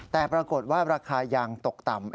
แต่ปรากฏว่าราคายางตกต่ำ